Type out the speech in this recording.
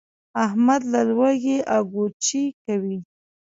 احمد له لوږې اګوچې کوي.